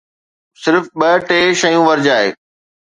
صرف ٻه ٽي شيون ورجائي.